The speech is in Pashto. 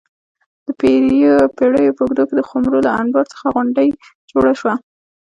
د پېړیو په اوږدو کې د خُمرو له انبار څخه غونډۍ جوړه شوه